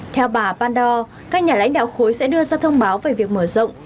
theo bà pando các nhà lãnh đạo khối sẽ đưa ra thông báo về việc mở rộng